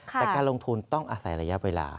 แต่การลงทุนต้องอาศัยระยะเวลา